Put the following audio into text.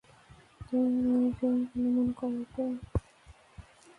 তোমার মেয়ের রেঙ্ক অনুমান করো তো?